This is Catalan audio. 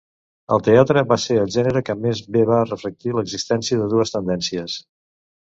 El teatre va ser el gènere que més bé va reflectir l'existència de dues tendències.